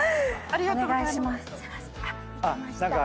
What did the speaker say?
ありがとうございます。